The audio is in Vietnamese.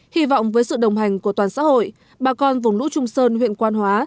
hy vọng với sự đồng hành của toàn xã hội bà con vùng lũ trung sơn huyện quan hóa